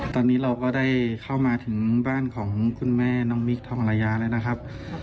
ตอนนี้เราก็ได้เข้ามาถึงบ้านของคุณแม่น้องมิคทองระยะแล้วนะครับ